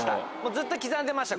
ずっと刻んでました